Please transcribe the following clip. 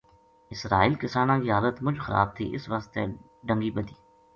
اسرائیل کسانا کی حالت مُچ خراب تھی اس واسطے ڈَنگی بَدھی